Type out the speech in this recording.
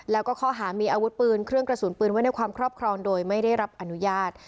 แล้วก็ข้อหามีอาวุธปืนเครื่องกระสุนปืนไว้ในความครอบครองโดยไม่ได้รับอนุญาต